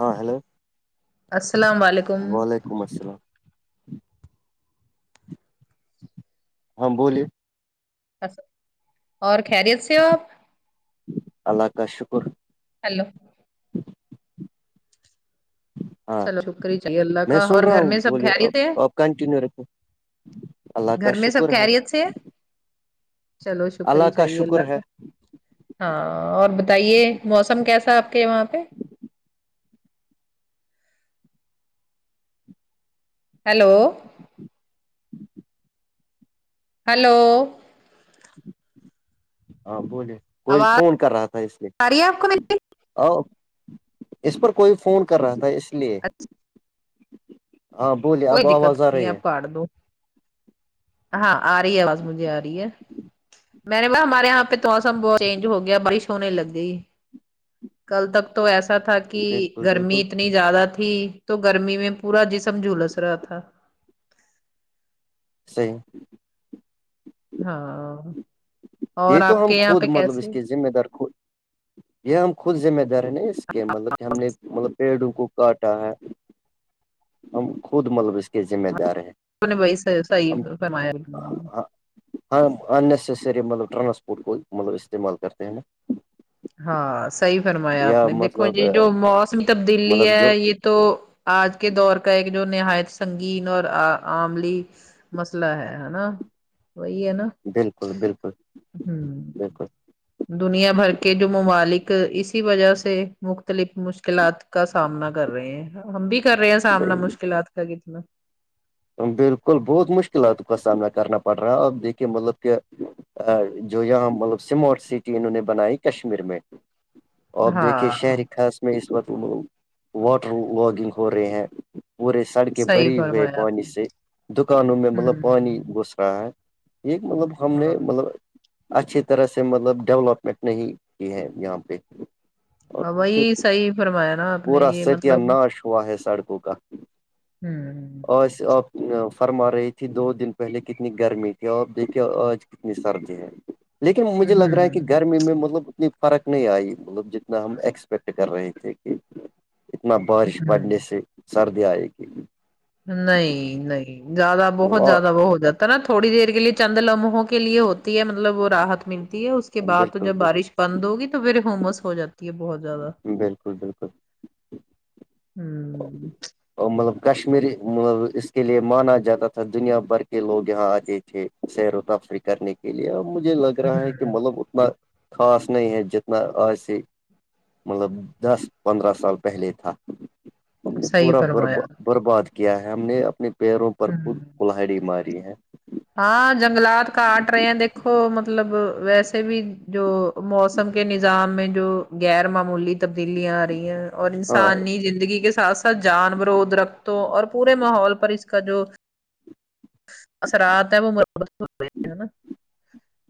ہاں ہیلو السلام علیکم [unintelligible] ولیکم السلام ہاں بولیے [unintelligible] اس [unintelligible] اور خیریت سے ہو آپ اللہ کا شکر ہلو ہاں چلو رکر ہی چاہے اللہ میں کا اور سن رہا گھر ہوں میں سب بولیے گر تھے آپ آپ کنٹینیو رکھیں اللہ کا گھر میں سب شکر خریت سے ہے چلو شکری اللہ کا چاہے اللہ شکر ہے کا ہاں اور بتائیے موسم کیسا آپ کے وہاں پہ [unintelligible] ہیلو [unintelligible] جی [unintelligible] ہلو ہاں بولے کوئی آواز فون کر رہا تھا اس لیے آ رہی ہے آپ کو میری اؤ اس پر کوئی فون کر رہا تھا اس لیے اچھا [unintelligible] ہاں بولیے [unintelligible] کوئی دقت آ نہیں رہی ہے آپ کاٹ دووں ہاں آ رہی آواز مجھے آ رہی ہے میں نے ب ہمارے یہاں پہ تو موسم بہت چینج ہو گیا بارش ہونے لگئی کل تک تو ایسا تھا کہ بالکل گرمی بالکل ات نی زیادہ تھی تو گرمی میں پورا جسم جھلس رہا تھا صحیح [unintelligible] ہاں اور یہ تو آپ ہم کے یہاں خود پہ مطلب کیسے اس کے [unintelligible] ذمہ دار کو [unintelligible] یہ ہم خود ذمہ دار ن اس کے مطلب کہ ہم نے مطلب پیڑوں کو کاٹا ہے ہم خود مطلب اس کے ذمہ دار ہیں نے بیحی فرمایا [unintelligible] ہاں ان نسیسری مطلب ٹرانسپورٹ کو مطلب استعمال کرتے ہیں نا ہاں صحی فرمایا آپ یا نے دیکھو مطلب جی جو موسم تبدیلی مطلب ہے جو یہ تو آج کے دور کا ایک جو نہایت سنگین اور عملی [unintelligible] مسئلہ ہے ہ نا وہی ہے نا بالکل بالکل ہوں بالکل دنیا بھر کے کہ جو ممالک اسی وجہ سے مختلف مشکلات کا سامنا کر رہے ہیں ہم بھی کر رہے ہیں سامنا صحیح مشکلات کا کتنا بالکل بہت مشکلات کا سامنا کرنا پڑ رہا اب دیکھیے مطلب کہ ا جو یہاں مطلب سمارٹ سٹی انہوں نے بنائی کشمیر میں اب دیکھیے ہاں شہر خاص اس وقت وہ لوگ واٹر واگنگ ہو رہے ہیں پورے سڑکیں صحیح بری ہوئے [unintelligible] فرمایا پانی آپ نے سے دکانوں میں مطلب پانی گس رہا ہے یہ مطلب ہم نے ہوں مطلب [unintelligible] اچھی طرح سے مطلب ڈیولپمنٹ نہیں کی ہے یہاں پہ اور دیکھیے وہی صحی فرمایا نا آپ نے پورا یہ ستیہ مطلب ناش ہوا ہے سڑکوں کا ہوں آج آپ فرما رہی تھی دو دن پہلے کتنی گرمی تھی آپ دیکھیے آج نسرد ہے لیکن مجھے لگ رہا ہے کہ ہوں گھر گ میں مطلب اتنی فرق نہیں آئی مطلب جتنا ہم ایکسپیکٹ کر رہے تھے کہ اتنا بارش ہوں پڑنے سے سردی آئے گی نہیں نہیں زیادہ بہت زیادہ وہ ہو جات نا تھوڑی دیر کے لیے چند لمحوں کے لیے ہوتی ہے مطلب وہ راحت ملتی ہے اس کے بع بالکل جب بالکل بارش پند ہوگی تو پھر ہومس ہو جاتی ہے بہت زیادہ بالکل بالکل ہوں مطلب کشمیری اس کے لیے مانا جاتا تھا دنیا بھر کے لوگ یہاں آتے تھے سیر و تفریح کرنے کے لیے ا مجھے لگ رہا ہے کہ ہوں مطلب اتنا خاص نہیں ہے جتنا آسی مطلب دس پندرہ سال پہلے تھا ہم نے صحیح پورا بر فرمایا برباد کیا ہے ہم نے اپنے پیروں پر خود ہوں کلہڑی ماری ہے ہاں جنگلات کاٹ رہے ہیں دیکھو مطلب ویسے بھی جو موسم کے نظام میں جو غیر معمولی تبدیلیاں آ ر رہی ہیں اور ہاں انسانی زندگی کے ساتھ ساتھ جان برود رکھتوں اور پورے ماحول پر اس کا جو اس رات ہے وہ مرت ہوئی نا [unintelligible]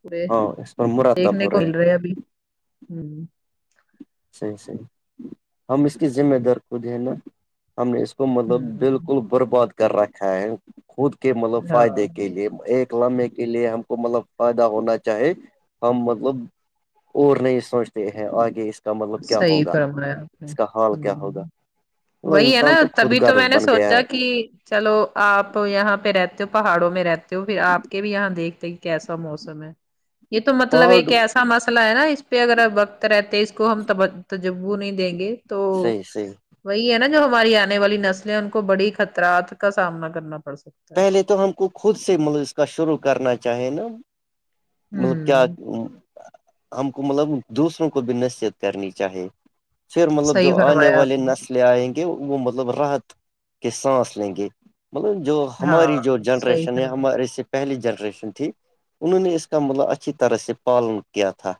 پورے ہاں اس پر مراتب دیکھنے ہو کو مل ہیں رہے اب ہ صحیح صحیح ہم اس کی ذمہ دار کوود ہیں نا ہم نے اس کو مطلب ہ بالکل برباد کر رکھا ہے خود کے مطلب فائدے ہاں کے لیے ایک لے کے لیے ہم کو مطلب فائدہ ہونا چاہی ہم مطلب اور نہیں سوچتے ہیں آگے کا مطلب کیا صحی ہوگا فرمایا آپ نے اس کا حال ہ کیا ہوگا ہ وہ وہی ہے نا انسان تبھی خود تو غرض میں نے بن گیا سوچا ہے کہ چلو آپ یہاں پہ رہتے ہو پہاڑوں میں رہتے ہو پھر آپ کے بھی یہاں دیکھتے کیسا موسم ہے یہ تو مطلب پہاڑ ایک ایسا مسئلہ ہے نا اس پہ اگر وقت رہتے کو ہم تجبو نہیں دیں گے تو صحیح صحیح وہی ہے نا جو ہماری آنے والی نسلیں ہیں ان کو بڑی خطرات کا سامنا کرنا پڑ سکتا ہے پہلے تو ہم کو خود سے ملسکہ شروع کرنا چاہے نا مطلب کیا ہوں ہم کو مطلب دوسروں کو بھی نصیت کرنی چاہیے پر مطلب صحیح جو آنے فرمایا والی آپ نے نسل لے آئیں گے وہ مطلب راحت کے سانس لیں گے مطلب جو ہماری جو ہاں صحیح جنریشن ہے فرمایا ہمارے سے پہلی جنریشن تھی انہوں نے اس کا مطلب اچھی طرح سے پالن کیا تھا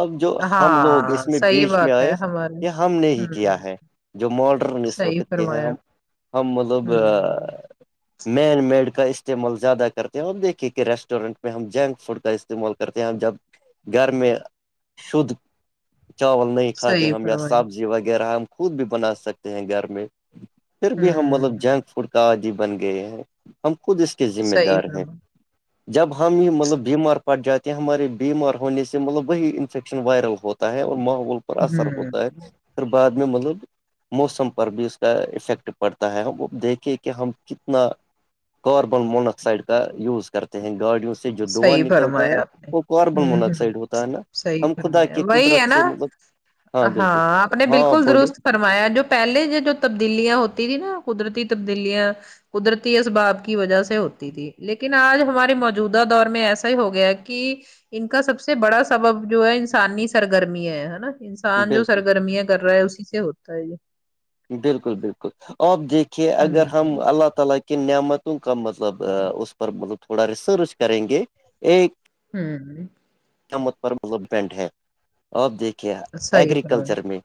اب جو ہم لوگ ہاں اس میں صحیح بیچ میں بات ہے آئے ہمارے یہ ہم نے ہی ہوں کیا ہے جو ماڈرن اس صحیح وقت کے ہیں فرمایا ہم ہم مطلب ہوں مین میڈ کا استعمال زیادہ کرتے ہیں اور دیکھیے کہ ریسٹورینٹ میں ہم جنک فوڈ کا استعمال کرتے ہیں جب گھر میں شدھ چاول نہیں کھاتے صحیح ہم یا فرمایا سبزی وغیرہ ہم خود بھی بنا سکتے ہیں گھر میں پھر بھی ہم مطلب ہوں جنک فوڈ کا عادی بن گئے ہیں ہم خود اس کے ذمہ صحیح دار ہیں فرما جب ہم ہی مطلب بیمار پڑ جاتے ہیں ہمارے بیمار ہونے سے مطلب وہی انفیکشن وائرل ہوتا ہوتا اور ماحول پر اثر ہوں ہوتا ہے پھر بعد میں مطلب موسم پر بھی اس کا افیکٹ پڑتا ہے ہم وہ دیکھیں کہ ہم اپنا کاربن مناکسائڈ کا یوز کرتے ہیں گاڑیوں سے سے جو دواں صحیح نکلتا ہے فرمایا آپ نے وہ کاربن ہوں ہوں مناکسائڈ ہوتا ہے نا صحیح ہم خدا فرمایا کی وہی ہے قدرت نا سے مطلب ہاں بالکل آپ نے ہاں بالکل بولیے درست فرمایا جو پہلے یہ جو تبدیلیاں ہوتی تھی نا قدرتی تبدیلیاں قدرتی اس بااب کی وجہ سے ہوتی تھی لیکن آج ہماری موج موجودہ دور میں ایسا ہی ہو گیا ہے کہ ان کا سب سے بڑا سبب جو ہے انسانی سرگرمی ہے ہے نا ان نان جو بالکل سرگرمیاں کر رہا ہے اسی سے ہوتا ہے یہ بالکل بالکل آپ دیکھیے اگر ہوں ہم اللہ تعالی کے کہ نعمتوں کا مطلب اس پر مطلب تھوڑا ریسرچ کریں گے ایک ہوں [unintelligible] مت پر مطلب ڈپینڈ ہے آپ دیکھیے صحیح فرمایا ایگریکلچر میں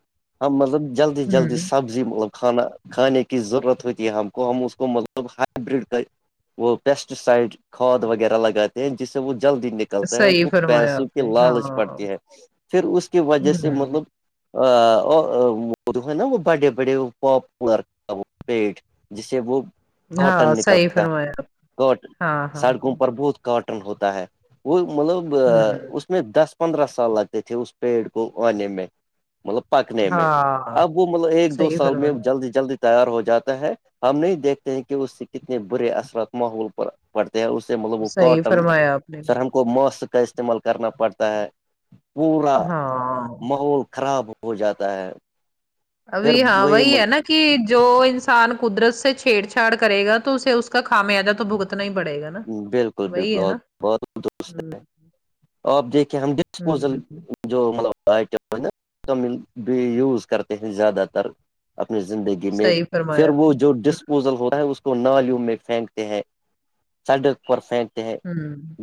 ہم مطلب جلدی جلدی ہوں سبزی مطلب کھانا کھانے کی ضرورت ہوتی ہے ہم کو ہم اس کو مطلب ہائبرڈ وہ پیسٹی سائڈ کھاد وغیرہ لگاتے ہیں جسے وہ جلدی ن کرتا ہے ہم صحیح کو فرمایا پیسوں آپ کی نے ہاں لالچ پڑتی ہے پھر اس کی وجہ سے ہوں مطلب [unintelligible] بڑے بڑے پاپولر کا وہ پیٹ جسے وہ کاٹن ہاں صحیح نکلتا فرمایا آپ کاٹن ہاں ہاں سڑکوں پر ہاں بہت کاٹن ہوتا ہے وہ مطلب ہوں اس میں دس پندرہ سال لگتے تھے اس پیڑ کو آنے میں مطلب پکنے میں ہاں اب وہ مطلب ایک دو صحیح سال میں فرمایا جلد جلدی تیار ہو جاتا ہے ہم نہیں دیکھتے ہیں کہ اس سے کتنے برے اثرات ماحول پر پڑتے ہیں اس سے مطلب وہ صحیح کاٹن فرمایا آپ نے سے ہم بالکل ماسک کا استعمال کرنا پڑتا ہے پورا ہاں ماحول خراب ہو ہو جاتا ہے [unintelligible] ابھی ہاں وہی ہے نا کہ جو انسان قدرت سے چھیڑ چھاڑ کرے گا تو اسے اس کا خامیازہ تو بھگتنا ہی پڑے گا نا بالکل وہی بالکل ہے آ نا بہت دست ہوں ہے آپ دیکھے ہم ہوں ہوں، [unintelligible] جو مطلب آئٹم نا تو بھی یز کرتے ہ زیادہ تر اپنی زندگی میں صحیح پھر فرمایا آپ وہ نے جو ڈسپوزل ہوتا ہے اس کو نالیوں میں پھینکتے ہیں سڑک پر پھینکتے ہے ہوں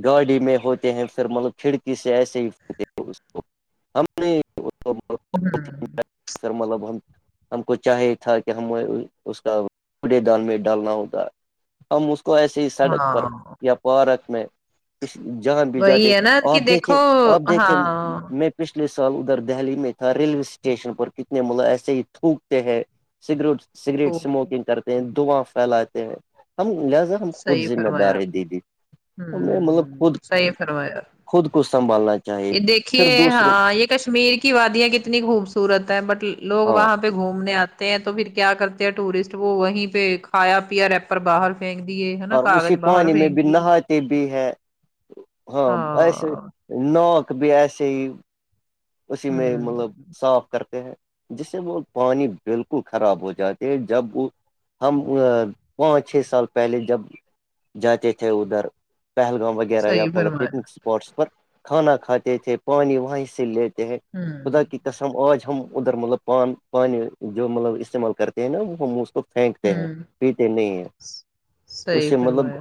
گاڑی میں ہوتے ہیں پھر مطلب کھڑکی سے ایسے ہی پھینک دیتے ہیں اسکو ہوں حینا [unintelligible] ہم کو چاہیے تھا کہ ہمیں اس کا کوڈ دان میں ڈالنا ہوگا ہم اس کو ایسے ہی سڑک پر ہاں یا پارک میں اس جہاں بھی جاتے وہی ہے نا کہ آپ دیکھو دیکھے آپ دیکھے ہاں میں پچھلے سال ادھر دہلی میں تھا ریلوے اسٹیشن پر کتنے مطلب ایسے ہی تھوکتے ہیں سگریٹ سگریٹ تھوک، اسموکنگ کرتے ہیں دعاں پھیلاتے ہیں ہم لہذا خود صحیح ذمہ دار فرمایا آپ ہے دیدی ہم نے مطلب ہوں خود صحی فرمایا خود کو سنبھالنا چاہیے یہ پھر دیکھیے دوسروں ہاں یہ کشمیر کی کی وادیاں کتنی خوبصورت ہے بٹ لوگ ہاں وہاں پہ گھوم گھومنے آتے ہیں تو پھر کیا کرتے ہیں ٹورسٹ وہ وہیں پہ کھایا پیا ریر باہر پھینک دیے ہے نا اور اسی کاغذ باہر پانی میں پھینک بھی دیے نہاتے بھی ہے ہاں ایسے ناک بھی ایسے ہی اسی میں مطلب ہوں صاف کرتے ہیں جس سے وہ پانی بالکل خراب ہو جاتے ہے جب وہ ہم پانچ چھ سال پہلے جب جاتے تھے ادھر پہلگام ویرہ وغیرہ یا صحیح مطلب فرمایا پکنک اسپاٹس پر کھانا کھاتے تھے پانی وہیں سے لیتے ہیں ہوں خدا [unintelligible] کسم آج ہم ادھر مطلب پان پانی جو مطلب استعمال کرتے ہیں نا وہ ہم پھینکتے ہیں ہوں پیتے نہیں ہیں اس صحیح سے مطلب فرمایا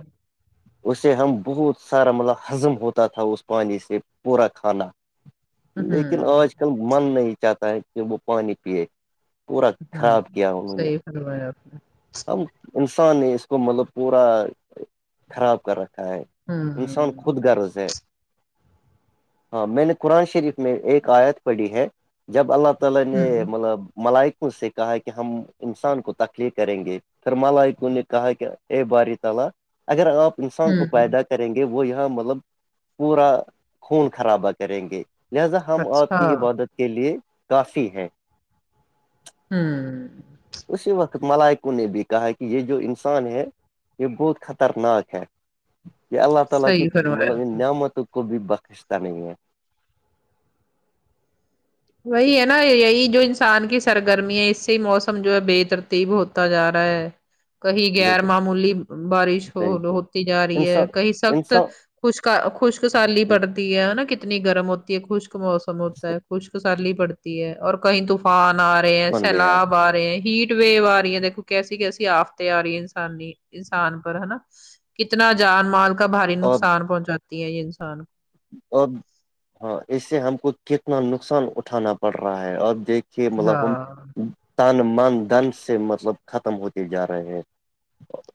اسے ہم بہت سارا مطلب ہضم ہوتا تھا اس پانی سے پورا کھانا لیکن ہوں آج کل من نہیں چاہتا ہے کہ وہ پانی پیے پورا ہوں خراب کیا انہوں نے صحیح فما ہے آپ نے ہم انسان نے اس کو مطلب پورا خراب کر رکھا ہے ہوں انسان خود غرض ہے ہاں میں نے قرآن شریف میں ایک آیت پڑھی ہے اللہ تعالی نے ہوں مطلب ملائک سے کہا ہے کہ ہم انسان کو تکلیف کریں گے تو ملائکو نے کہا کہ اے باری تعالی اگر اپ انسان کو ہوں پیدا کریں گے وہ یہاں مطلب پورا خون خرابا کریں گے لہذا ہم آپ اچھا کی عبادت کے لیے کافی ہیں ہوں اسی وقت ملائکوں نے بھی کہا کہ یہ جو انسان ہے یہ بہت خطرناک ہے کے اللا تالا کی صحیح فرمایا مطلب آپ نعمتوں کو بھئی بکشتا نہیی ہے وہی ہے نا یہی جو انسان کی سرگرمی ہے اس سے موسم جو ہے بہترتی ہی بہت تا جا رہا ہے کہیں غیر بالکل معمولی بارش ہو صحیح صحیح ہوتی جا رہی ہے انسان کہیں سخت انسان خشک خشک سالی پڑتی ہے نا کتنی گرم ہوتی ہے خشک موسم ہوتا ہے خشک تسری پڑتی ہے اور کہیں طوفان آ رہے ہیں بن گیا ہے سیلاب آ رہے ہیں ہیٹ ٹ و آ رہی ہیں دیکھو کیسی کیسی آفتے آ رہی ہے انسانی انسان پر ہے نا کتنا جان مال کا بھاری نقصان پہنچاتی ہے یہ انسان اب ہاں اس سے ہم کو کتنا نقصان اٹھانا پڑ رہا ہے اب دیک کہ کو مطلب ہم ہاں تن من دن سے مطلب ختم ہوتے جا رہے ہیں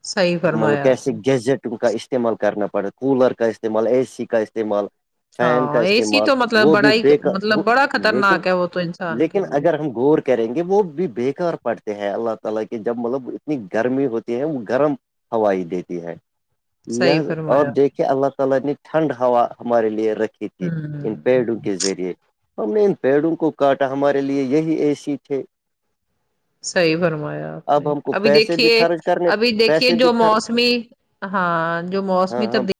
صحیح مطلب فرمایا آپ کیسے نے گیزٹ کا استعمال کرنا پڑا کولر کا استعمال اے سی کا استعمال فین کا ہاں اے سی استعمال تو مطلب وہ بڑا بھی ہی بےیک مطلب بڑا لیکن خطرناک ہے وہ تو انسان کے لیکن لیے اگر ہم گور گرم کرینگے وہ بھی بےکار پڑتے ہیں اللہ تعالی کے جب مطلب اتنی گرمی ہوتی ہیں گرم ہوائی دیتی ہے [unintelligible] صحیح فرمایا تھی ان ہوں پیڑوں کے ذریعے ہم نے ان پیڑوں کو کاٹا ہمارے لیے یہی اے سی تھے صحیح فرمایا آپ نے اب ہم کو ابھی پیسے بھی دیکھیے خرچ کرنے ابھی دیکھیے پیسے بھی جو خرچ موسمی ہاں جو موسمی ہاں ہاں تبدیلی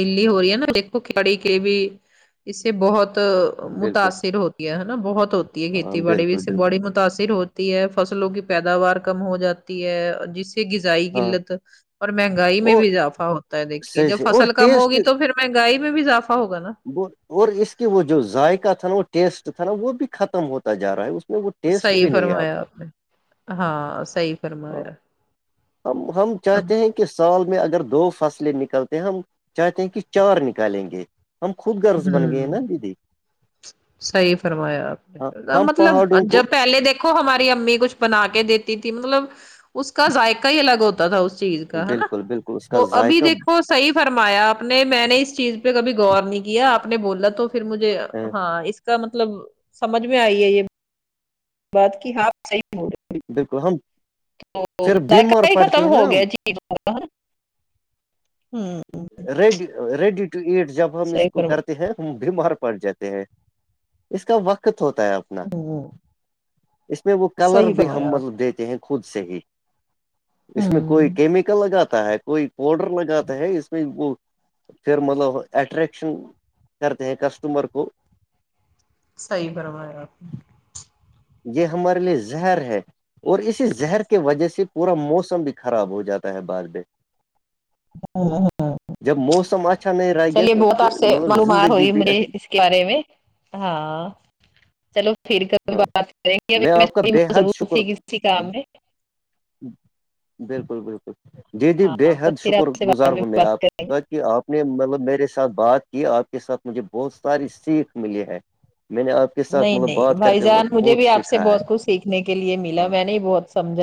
دلی ہو رہی ہے نا دیکھو کڑی کے بھی اس سے بہت بالکل متاثر ہو ہےا بہت ہوتی ہے ہاں کھیتی باڑی بھی بالکل سے بالکل بڑی متاثر ہو ہے فصلوں کی پیداوار کم ہو جاتی ہے جس غذائی ہاں قلت اور مہنگائی میں اور بھی اضافہ ہوتا ہے دیکھیے صحیح جب صحیح اور فصل کم ٹیسٹ ہوگی تو توپھر مہنگائی میں بھی اضافا ہوگا وہ اور اس کے وہ جو ذائقہ تھا نا وہ ٹیسٹ تھا نا وہ بھی ختم ہوتا جا رہا ہے اس میں وہ ٹیسٹ صحی بھی نہیں ہے اب فرمایا آپ نے ہاں صحی فرمایا ہم ہم اب چاہتے ہیں کہ سال میں اگر دو فصلیں نکلتے ہیں ہم چاہتے ہیں کہ چار نکالیں گے ہم خود غرض بن گئے ہیں نا دیدی صحی فرمایا آپ ہاں نے ہم مطلب پہاڑوں جب کو پہلے دیک کو ہماری امی کچھ بنا کے دیتی تھی مطلب اس کا ذائقہ ہی الگ ہوتا تا تھا اس چیز کا ہے نا بالکل بالکل اس کا تو ابھی ذائقہ دیکھو صحیح فرمایا آپ نے میں نے اس چیز پہ کبھی غور نہیں آپ نے بولا تو پھر مجھے ہاں اس کا مطلب سمجھ میں آئی ہے یہ بات کی ہاں صحیح موڈ بالکل ہم پھر توذق بیمار ہی پڑتے ختم ہیں ہو نا گیا ہم ریڈی ریڈی ٹو ایٹ جب ہم اس صحیح کو فرمایا کرتے ہیں بھی مر پڑ جاتے ہیں اس کا وقت ہوتا ہے اب نا ہوں اس میں وہ کلر صحیح بھی ہم فرمایا آپ مطلب دیتے ہیں خود سے ہی اس میں کوئی ہوں کیمیکل لگاتا ہے کوئی پاؤڈر لگاتا ہے اس میں وہ پھر مطلب اٹریکشن کرتے ہیں کسٹمر کو صحیح برمایا آپ نے یہ ہمارے لیے زہر ہے اور اسی زہر کی وجہ سے پورا موسم بھی خراب ہو جاتا ہے بعد میں جب موسم اچھا نہیں رہ [inaudible] گیا چلیے تو بہت آپ پھر سے م مطلب ب مار زندگی ہوئی بھی مری اچ بارے میں ہاں چلو پھر ک بات کریں گ ابھی میں آپ کا بے حد ضرور تھی شکر کسی کام میں بالکل بالکل جی جی بے ہاں تو حد پھر شکر آپ سے بعد گزار ہوں میں بات آپ کریں گے کہ آپ نے مطلب میرے ساتھ بات کی آپ کے ساتھ مجھے بہت ساری سیکھ ملی ہے میں نے آپ کے ساتھ نہیں مطلب نہیں بات بھائی کرتے جان وقت مجھے بہت بھی آپ سے سیکھا ہے بہت کچھ سیکھنے کے لیے ہاں ملا میں نے بہت سمجھا